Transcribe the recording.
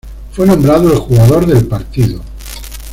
Fue nombrado el jugador del partido.